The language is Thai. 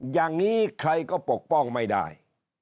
อย่างนี้ใครก็ปกป้องไม่ได้